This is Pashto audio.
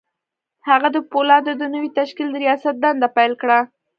هغه د پولادو د نوي تشکيل د رياست دنده پيل کړه.